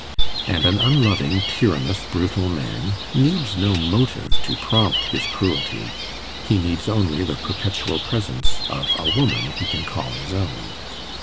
And an unloving, tyrannous, brutal man needs no motive to prompt his cruelty; he needs only the perpetual presence of a woman he can call his own.